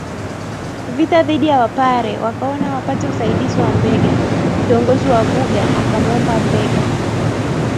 vita dhidi ya Wapare wakaona wapate usaidizi wa Mbegha Kiongozi wa Vuga akamwomba Mbegha